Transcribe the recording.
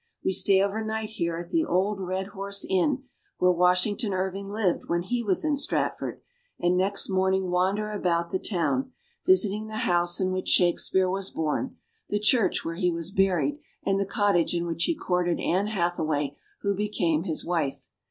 We stay over night here at the old Red Horse Inn where Washington Irving lived when he was in Stratford, and next morning wander about the town, visiting the house jS: — the house in which Shakespeare was born." 66 ENGLAND. in which Shakespeare was born, the church where he was buried, and the cottage in which he courted Ann Hatha way who became his wife.